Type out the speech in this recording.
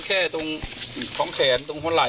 เหมือนจะส่งไปถ่วงแขนตรงห้องไหล่